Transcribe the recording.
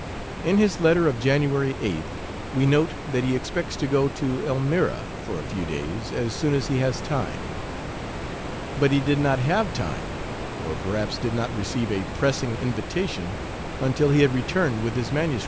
In his letter of January 8th we note that he expects to go to Elmira for a few days as soon as he has time. But he did not have time, or perhaps did not receive a pressing invitation until he had returned with his MS.